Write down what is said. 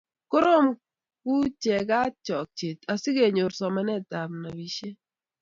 koroom ku chegab ngokchet asigenyor somanetab nobishet